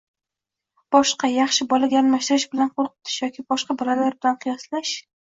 Boshqa, yaxshi bolaga almashtirish bilan qo‘rqitish yoki boshqa bolalar bilan qiyoslash.